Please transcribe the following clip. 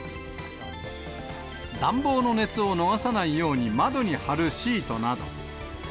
暖房の熱を逃さないように窓に貼るシートなど。